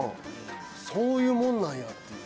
そういうもんなんやっていう。